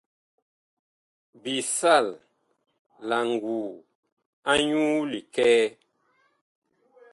Bi sal la nguu anyuu likɛɛ.